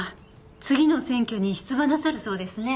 次の選挙に出馬なさるそうですね？